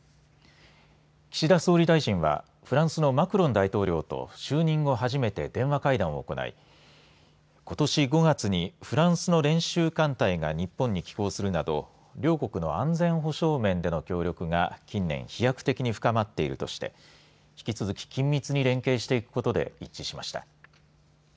岸田総理大臣はフランスのマクロン大統領と就任後、初めて電話会談を行いことし５月にフランスの練習艦隊が日本に寄港するなど両国の安全保障面での協力が近年飛躍的に深まっているとして引き続き緊密に連携していくことで一致しました。